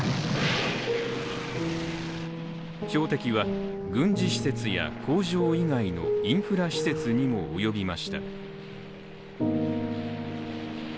標的は軍事施設や工場以外のインフラ施設にもおよびました。